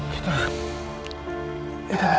kita bicara ya pak